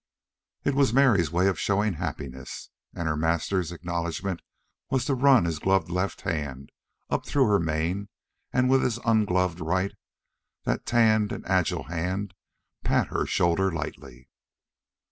It was Mary's way of showing happiness, and her master's acknowledgment was to run his gloved left hand up through her mane and with his ungloved right, that tanned and agile hand, pat her shoulder lightly.